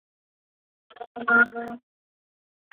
该寺是明朝正统年间敕建。